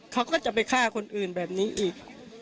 ไม่จะฆ่าคนอื่นแบบนี้อีก